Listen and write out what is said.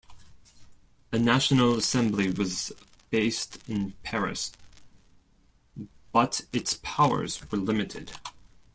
A National Assembly was based in Paris, but its powers were limited.